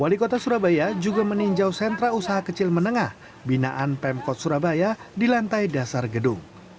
wali kota surabaya juga meninjau sentra usaha kecil menengah binaan pemkot surabaya di lantai dasar gedung